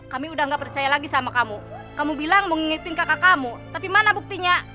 kami udah gak percaya lagi sama kamu kamu bilang mengingatkan kakak kamu tapi mana buktinya